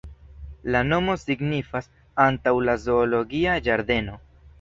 La nomo signifas "antaŭ la zoologia ĝardeno".